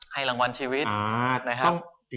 ให้รางวัลชีวิตนะครับ